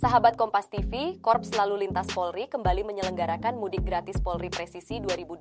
sahabat kompas tv korps lalu lintas polri kembali menyelenggarakan mudik gratis polri presisi dua ribu dua puluh